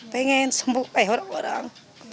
pengen sembuh kayak orang orang